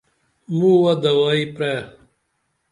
مووہ دوائی پرے